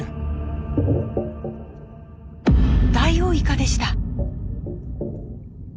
ダイオウイカでした。